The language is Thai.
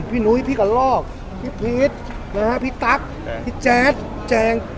นุ้ยพี่กระลอกพี่พีชนะฮะพี่ตั๊กพี่แจ๊ดแจง